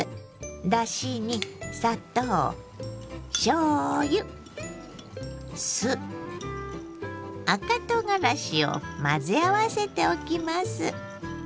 だしに砂糖しょうゆ酢赤とうがらしを混ぜ合わせておきます。